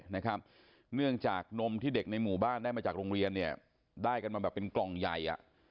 เนื่องจากนมที่เด็กในหมู่บ้านได้มาจากโรงเรียนเนี่ยได้กันมาแบบเป็นกล่องใหญ่